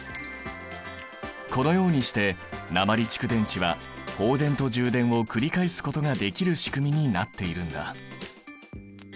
このようにして鉛蓄電池は放電と充電を繰り返すことができるしくみになっているんだ。